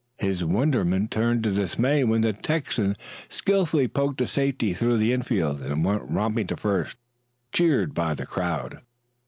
His wonderment turned to dismay when the Texan skillfully poked a safety through the infield and went romping to first, cheered by the crowd.